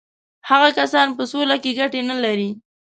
هغه کسان په سوله کې ګټې نه لري.